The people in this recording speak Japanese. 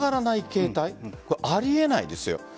携帯あり得ないですよ。